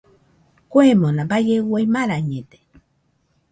Kuemona baie uai marañede.